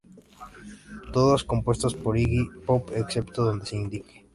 Todas compuestas por Iggy Pop, excepto donde se indique.